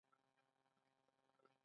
آیا سیزده بدر د طبیعت ورځ نه ده؟